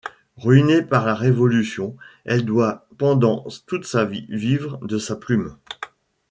Ruinée par la Révolution, elle doit pendant toute sa vie vivre de sa plume.